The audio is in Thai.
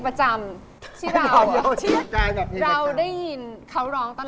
เราได้ยินเค้าร้องตลอด